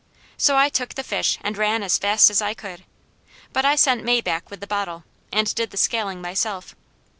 So I took the fish and ran as fast as I could, but I sent May back with the bottle, and did the scaling myself.